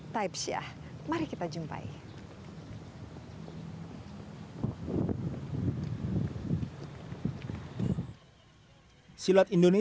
dan juga olimpiade